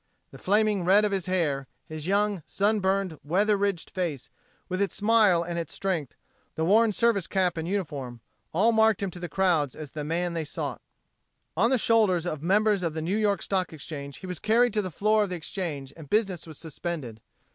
The flaming red of his hair, his young, sunburned, weather ridged face with its smile and its strength, the worn service cap and uniform, all marked him to the crowds as the man they sought. On the shoulders of members of the New York Stock Exchange he was carried to the floor of the Exchange and business was suspended.